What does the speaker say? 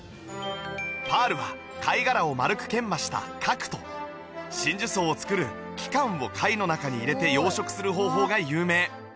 パールは貝殻を丸く研磨した核と真珠層を作る器官を貝の中に入れて養殖する方法が有名